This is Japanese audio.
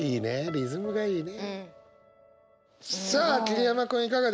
リズムいいね。